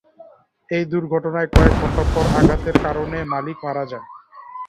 এই দূর্ঘটনার কয়েক ঘণ্টা পর আঘাতের কারণে মালিক মারা যান।